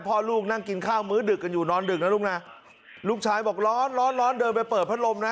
พ่อลูกนั่งกินข้าวมื้อดึกกันอยู่นอนดึกนะลูกนะลูกชายบอกร้อนร้อนร้อนเดินไปเปิดพัดลมนะ